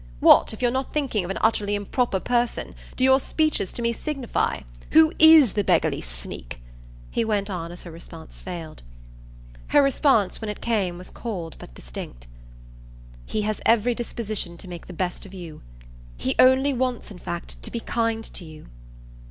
What, if you're not thinking of an utterly improper person, do your speeches to me signify? Who IS the beggarly sneak?" he went on as her response failed. Her response, when it came, was cold but distinct. "He has every disposition to make the best of you. He only wants in fact to be kind to you."